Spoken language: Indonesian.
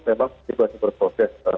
memang masih bersosial